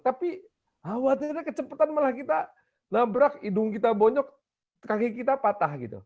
tapi khawatirnya kecepatan malah kita nabrak hidung kita bonyok kaki kita patah gitu